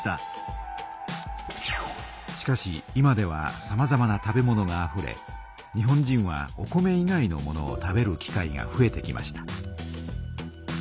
しかし今ではさまざまな食べ物があふれ日本人はお米以外の物を食べる機会がふえてきました。